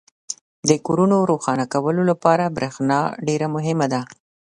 • د کورونو روښانه کولو لپاره برېښنا ډېره مهمه ده.